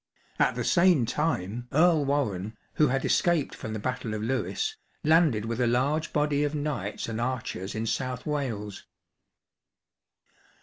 At the same time Earl Warrenne, who had escaped from the battle of Lewes, landed with a large body of knights and archers in South Wales.